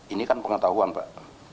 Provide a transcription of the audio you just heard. ini kan pengetahuan pak